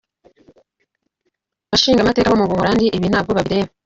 “Bashingamateka bo mu Buhorandi, ibi ntabwo bibareba!